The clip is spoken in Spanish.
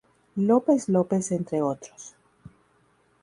López López entre otros.